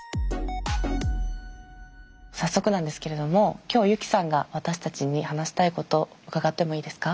早速なんですけれども今日ユキさんが私たちに話したいこと伺ってもいいですか？